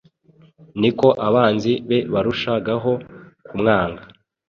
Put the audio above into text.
niko abanzi be barushagaho kumwanga.